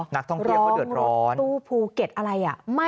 นักท่องเที่ยวเขาเดือดร้อนร้องรถตู้ภูเก็ตอะไร